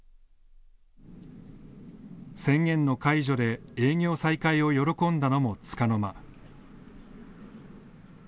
宣言の解除で営業再開を喜んだのもつかの間。